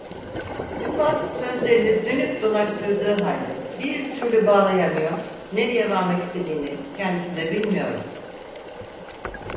Rifat, sözlerini dönüp dolaştırdığı halde bir türlü bağlayamıyor, nereye varmak istediğini, kendisi de bilmiyordu.